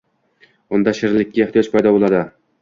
unda shirinlikka ehtiyoj paydo bo‘ladi.